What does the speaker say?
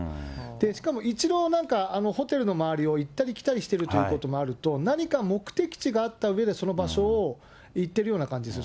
しかも一度、ホテルの周りを行ったり来たりしているということもあると、何か目的地があったうえで、その場所を行ってるような感じがする。